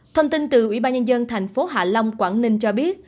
thông tin từ ủy ban nhân dân thành phố hạ long quảng ninh cho biết